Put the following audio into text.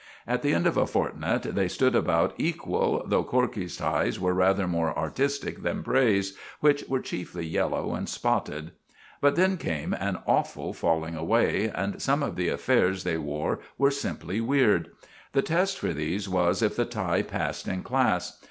At the end of a fortnight they stood about equal, though Corkey's ties were rather more artistic than Bray's, which were chiefly yellow and spotted. But then came an awful falling away, and some of the affairs they wore were simply weird. The test for these was if the tie passed in class.